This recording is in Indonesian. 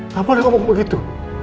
gak boleh ngomong begitu